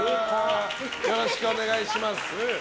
よろしくお願いします。